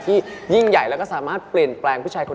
รอที่จะมาอัปเดตผลงานแล้วแล้วก็เข้าไปโด่งดังไกลถึงประเทศจีน